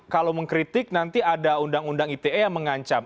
kalau mengkritik nanti ada undang undang ite yang mengancam